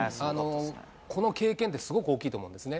この経験ってすごく大きいと思うんですね。